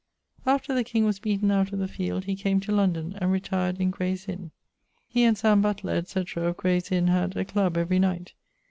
After the king was beaten out of the field, he came to London, and retired in Grayes Inne. He, and Sam. Butler, &c. of Grayes Inne, had a clubb every night.